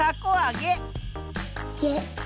げ。